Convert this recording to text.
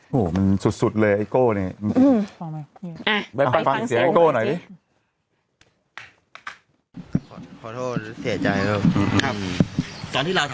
เห้อมันสุดเลยไอ้โก้นี่